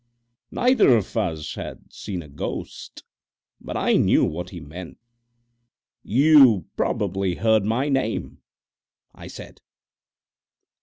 Neither of us had seen a ghost, but I knew what he meant. "You probably heard my name, " I said.